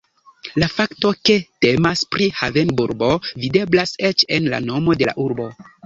La fakto ke temas pri havenurbo videblas eĉ en la nomo de la urbo.